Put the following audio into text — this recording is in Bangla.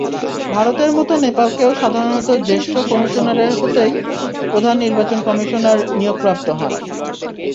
ভারতের মতো নেপালকেও সাধারণত জ্যেষ্ঠ কমিশনার হতেই প্রধান নির্বাচন কমিশনার নিয়োগপ্রাপ্ত হন।